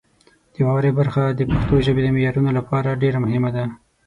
د واورئ برخه د پښتو ژبې د معیارونو لپاره ډېره مهمه ده.